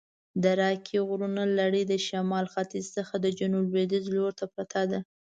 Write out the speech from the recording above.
د راکي غرونو لړي د شمال ختیځ څخه د جنوب لویدیځ لورته پرته ده.